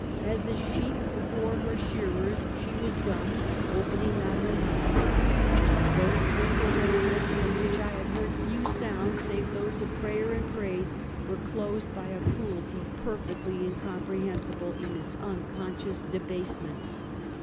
As a sheep be fore her shearers she was dumb, opening not her mouth. Those wrinkled, old lips, from which I had heard few sounds, sa, ve those of prayer and praise, were closed by a cruelty perfectly incomprehensible in its unconscious debasement.